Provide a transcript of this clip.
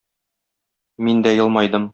Мин дә елмайдым.